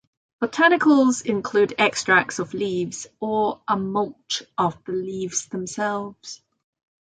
Botanicals include extracts of leaves, or a mulch of the leaves themselves.